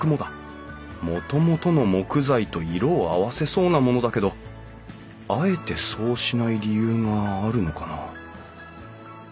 もともとの木材と色を合わせそうなものだけどあえてそうしない理由があるのかな？